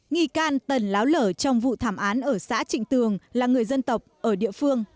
nghi can tần láo lở trong vụ thảm án ở xã trịnh tường là người dân tộc ở địa phương